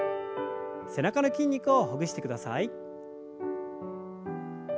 背中の筋肉をほぐしてください。